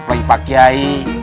pelih pak yai